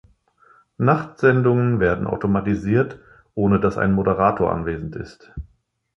Nachtsendungen werden automatisiert, ohne dass ein Moderator anwesend ist.